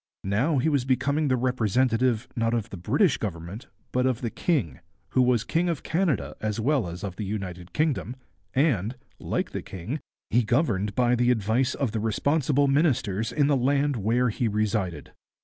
Now he was becoming the representative, not of the British Government, but of the king, who was king of Canada as well as of the United Kingdom, and, like the king, he governed by the advice of the responsible ministers in the land where he resided.